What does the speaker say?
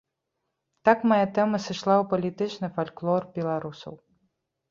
Так мая тэма сышла ў палітычны фальклор беларусаў.